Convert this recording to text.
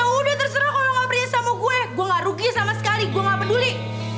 ya udah terserah kalo lo ngapain sama gue gue ga rugi sama sekali gue ga peduli